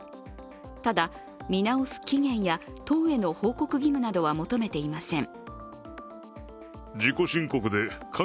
ただ、見直す期限や党への報告義務などは求めていません。